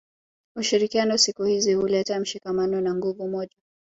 ushirikiano siku zote huleta mshikamano na nguvu moja